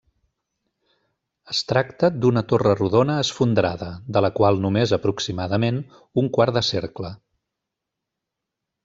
Es tracta d'una torre rodona esfondrada de la qual només aproximadament un quart de cercle.